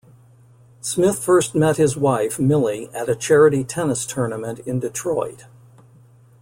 Smith first met his wife, Millie, at a charity tennis tournament in Detroit.